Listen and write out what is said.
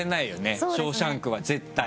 『ショーシャンク』は絶対。